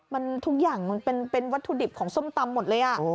มันทุกอย่างมันเป็นวัตถุดิบของส้มตำหมดเลย